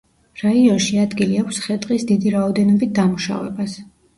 რაიონში ადგილი აქვს ხე-ტყის დიდი რაოდენობით დამუშავებას.